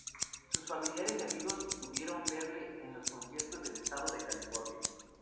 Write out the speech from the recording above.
Sus familiares y amigos pudieron verle en los conciertos del estado de California.